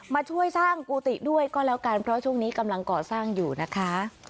มาช่วยสร้างกุฏิด้วยก็แล้วกันเพราะช่วงนี้กำลังก่อสร้างอยู่นะคะ